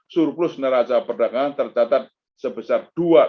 surplus neraca perdagangan tercatat sebesar